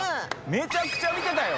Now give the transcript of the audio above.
めちゃくちゃ見てたよ。